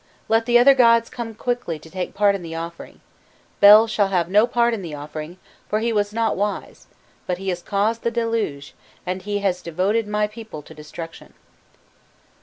Let the other gods come quickly to take part in the offering. Bel shall have no part in the offering, for he was not wise: but he has caused the deluge, and he has devoted my people to destruction."